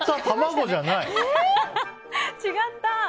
違った。